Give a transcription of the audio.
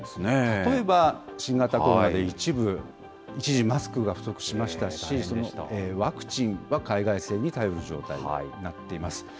例えば、新型コロナで一部、一時、マスクが不足しましたし、ワクチンは海外製に頼る状態になっています。